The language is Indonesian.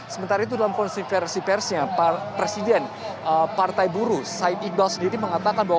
sementara itu dalam konsiversi persnya presiden partai buruh said iqbal sendiri mengatakan bahwa